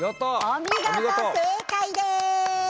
お見事正解です。